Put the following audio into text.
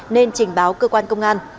nên trình báo cơ quan công an